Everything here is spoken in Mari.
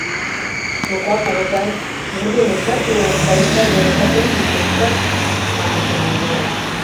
— Лука кугызай, вургеметшат уло, да иктаж вере шылтен кийыктет дыр? — манын шыман йодым.